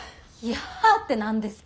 「やあ」って何ですか！？